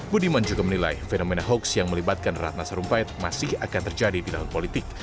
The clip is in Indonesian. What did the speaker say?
budiman juga menilai fenomena hoax yang melibatkan ratna sarumpait masih akan terjadi di dalam politik